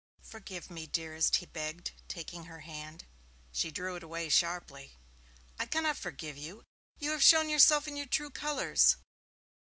'Forgive me, dearest,' he begged, taking her hand. She drew it away sharply. 'I cannot forgive you. You have shown yourself in your true colours.'